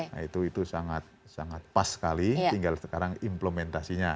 nah itu sangat pas sekali tinggal sekarang implementasinya